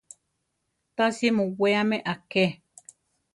Tasi muweame aké.